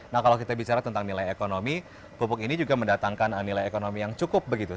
nah kalau kita bicara tentang nilai ekonomi pupuk ini juga mendatangkan nilai ekonomi yang cukup begitu